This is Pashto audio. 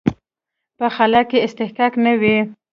په خلا کې اصطکاک نه وي.